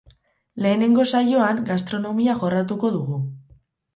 Lehenengo saioan gastronomia jorratuko dugu.